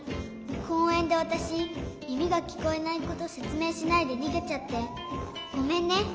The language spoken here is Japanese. こうえんでわたしみみがきこえないことせつめいしないでにげちゃってごめんね。